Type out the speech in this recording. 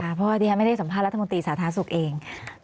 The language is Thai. เพราะว่าวันนี้ก็ไม่ได้สัมภาษณ์รัฐมนตรีสาธาศุกร์เอง